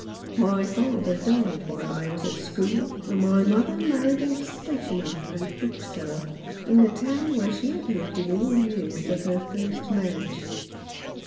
My father died while I was at school, and my mother married a stationer and bookseller in the town where she had lived in all the years of her first marriage.